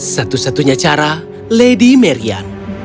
satu satunya cara lady marian